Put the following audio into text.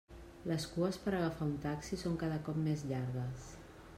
Les cues per agafar un taxi són cada cop més llargues.